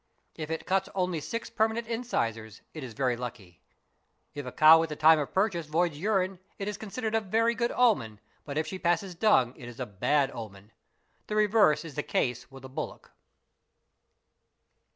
If it cuts only six permanent incisors it is lucky. If a cow at the time of purchase voids urine, it is considered a very good omen, but if she passes dung it is a bad omen. The reverse is the case with a bullock.